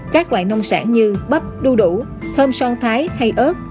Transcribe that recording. các loại nông sản như bắp đu đủ thơm son thái hay ớt